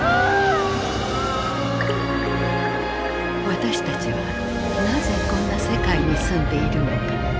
私たちはなぜこんな世界に住んでいるのか。